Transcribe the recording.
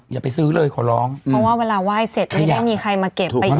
อย่าไปซื้อเลยขอร้องเพราะว่าเวลาไหว้เสร็จไม่ได้มีใครมาเก็บไปอีก